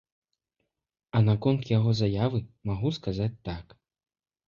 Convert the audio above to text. А наконт яго заявы магу сказаць так.